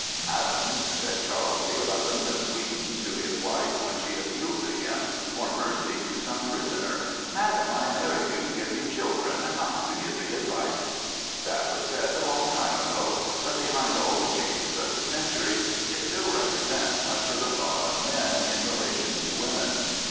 " Madame, said Charles XI. of Sweden to his wife when she appealed to him for mercy to some prisoner —" Madame, I married you to give me children, not to give me advice. That was said a long time ago ; but behind all the changes of the centuries, it still represents much of the thought of men in relation to women.